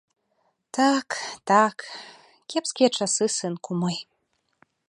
Так, так, кепскія часы, сынку мой!